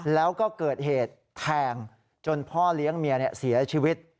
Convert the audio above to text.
แล้วก็เกิดเหตุแทงจนพ่อเลี้ยงเมียเสียชีวิต